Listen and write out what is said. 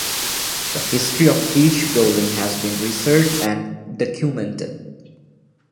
The history of each building has been researched and documented.